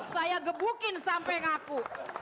saya gebukin sampai ngaku